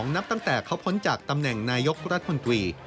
นับตั้งแต่เขาพ้นจากตำแหน่งนายกรัฐมนตรี